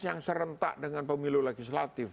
yang serentak dengan pemilu legislatif